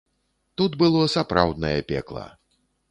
Тут было сапраўднае пекла!